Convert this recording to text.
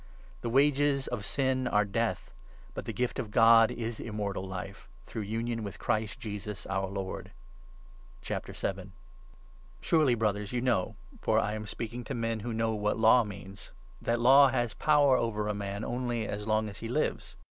The 23 wages of Sin are Death, but the gift of God is Immortal Life, through union with Christ Jesus, our Lord. can Law Surely, Brothers, you know (for I am speaking i deliver from to men who know what Law means) that Law a sinful Life?has power over a man only as long as he lives.